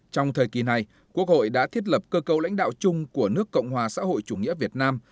trong thời kỳ này quốc hội đã thiết lập cơ cầu lãnh đạo chung của nước cộng hòa xã hội chủ nghĩa việt nam